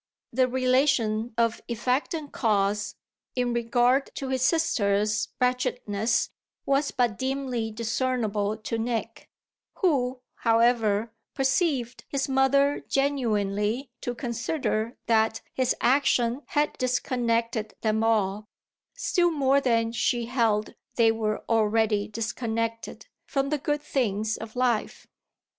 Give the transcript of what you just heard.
The relation of effect and cause, in regard to his sisters' wretchedness, was but dimly discernible to Nick, who, however, perceived his mother genuinely to consider that his action had disconnected them all, still more than she held they were already disconnected, from the good things of life.